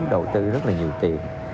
đầu tư rất là nhiều tiền